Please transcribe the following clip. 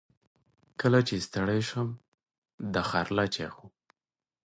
کله چې ستړی شم، دښارله چیغو